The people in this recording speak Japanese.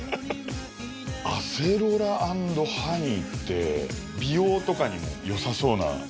「アセロラ＆ハニー」って美容とかにも良さそうな。